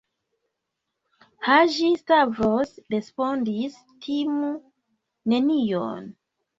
Haĝi-Stavros respondis: Timu nenion.